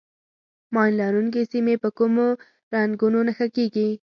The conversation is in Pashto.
ماین لرونکي سیمې په کومو رنګونو نښه کېږي.